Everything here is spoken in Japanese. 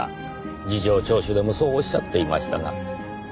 事情聴取でもそうおっしゃっていましたが。